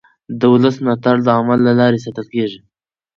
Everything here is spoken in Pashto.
د ولس ملاتړ د عمل له لارې ساتل کېږي